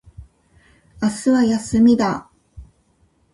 明日は休みだ。